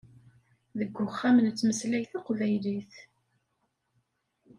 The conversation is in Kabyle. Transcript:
Deg uxxam nettmeslay taqbaylit.